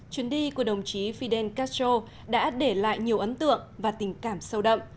chuyến đi của đồng chí fidel castro đã để lại nhiều ấn tượng và tình cảm sâu đậm